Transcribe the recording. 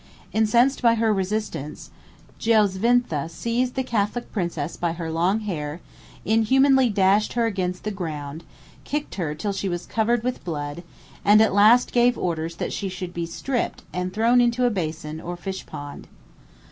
127 Incensed by her resistance, Goisvintha seized the Catholic princess by her long hair, inhumanly dashed her against the ground, kicked her till she was covered with blood, and at last gave orders that she should be stripped, and thrown into a basin, or fish pond.